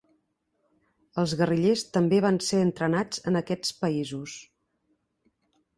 Els guerrillers també van ser entrenats en aquests països.